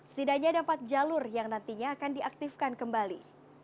setidaknya ada empat jalur yang nantinya akan diaktifkan kembali